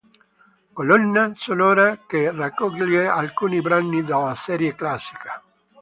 Colonna sonora che raccoglie alcuni brani della serie classica.